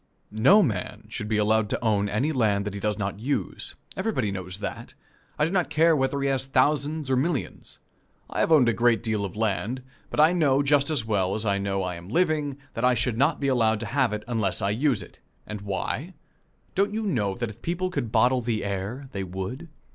No man should be allowed to own any land that he does not use. Everybody knows that I do not care whether he has thousands or millions. I have owned a great deal of land, but I know just as well as I know I am living that I should not be allowed to have it unless I use it. And why? Don't you know that if people could bottle the air, they would?